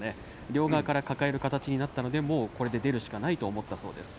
両側から抱える形になったのでもう、これで出るしかないと思ったそうです。